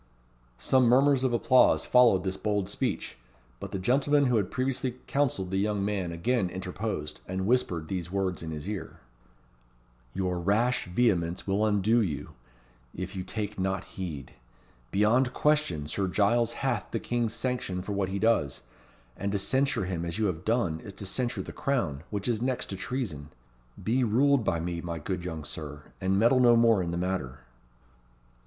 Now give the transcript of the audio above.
Some murmurs of applause followed this bold speech; but the gentleman who had previously counselled the young man again interposed, and whispered these words in his ear: "Your rash vehemence will undo you, if you take not heed. Beyond question, Sir Giles hath the king's sanction for what he does, and to censure him as you have done is to censure the Crown, which is next to treason. Be ruled by me, my good young Sir, and meddle no more in the matter."